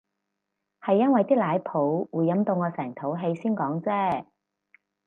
係因為啲奶泡會飲到我成肚氣先講啫